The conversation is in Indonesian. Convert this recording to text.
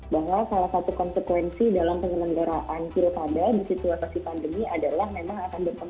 bahwa salah satu konsekuensi dalam pengelenggaraan kira kira di situasi pandemi adalah memang akan berkembang